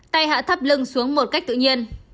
tay hạ thấp lưng xuống một cách tự nhiên